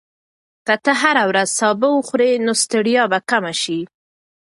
که ته هره ورځ سبو وخورې، نو ستړیا به کمه شي.